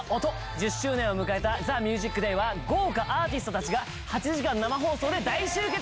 １０周年を迎えた『ＴＨＥＭＵＳＩＣＤＡＹ』は豪華アーティストたちが８時間生放送で大集結。